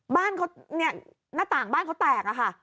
บ้านเขาเนี่ยหน้าต่างบ้านเขาแตกอะค่ะ